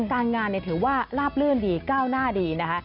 การงานถือว่าลาบลื่นดีก้าวหน้าดีนะคะ